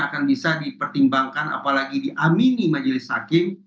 akan bisa dipertimbangkan apalagi diamini majelis hakim